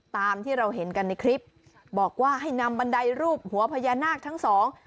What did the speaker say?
ตามที่เราเห็นกันในคลิปบอกว่าให้นำบันไดรูปหัวพญานาคทั้งสอง